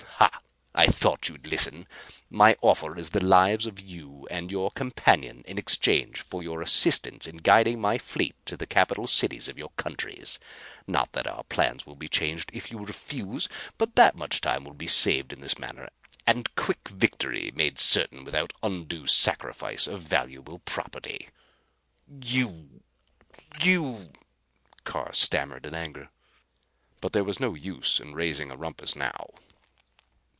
"Ha! I thought you'd listen. My offer is the lives of you and your companion in exchange for your assistance in guiding my fleet to the capital cities of your countries. Not that our plans will be changed if you refuse, but that much time will be saved in this manner and quick victory made certain without undue sacrifice of valuable property." "You you !" Carr stammered in anger. But there was no use in raising a rumpus now.